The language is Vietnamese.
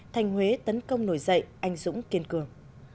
thành huế tấn công nổi dậy anh dũng kiên cường